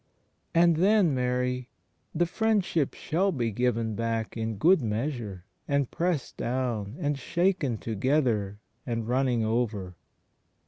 And then, Mary, the Friendship shall be given back in "good measure and pressed down and shaken to gether and running over."